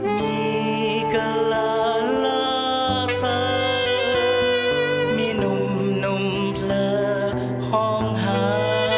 มีกะลาลาซามีหนุ่มหนุ่มเพลอห้องหา